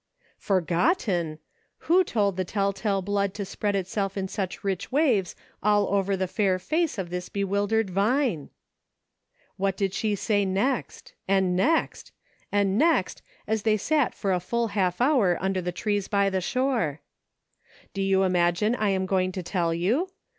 Forgotten ! Who told the tell tale blood to spread itself in such rich waves all over the fair face of this bewildered Vine ? What did they say next .' and next ? and next as they sat for a full half hour under the trees by the shore ? Do you imagine I am going to tell you